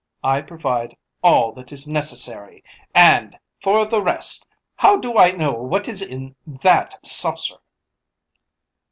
I provide all that is necessary; and, for the rest, how do I know what is in that saucer?"